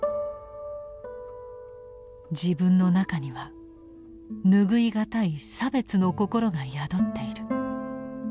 「自分の中にはぬぐいがたい差別の心が宿っている」。